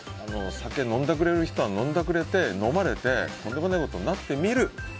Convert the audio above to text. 酒を飲んだくれる人は飲まれてとんでもないことになってみる。